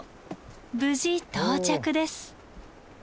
無事到着です。